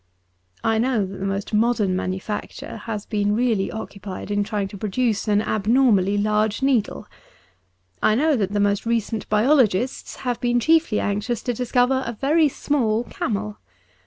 I know that the most modern manu facture has been really occupied in trying to pro duce an abnormally large needle. I know that the most recent biologists have been chiefly anxious to discover a very small camel.